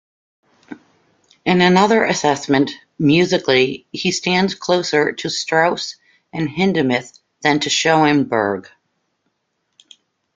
In another assessment, Musically, he stands closer to Strauss and Hindemith than to Schoenberg.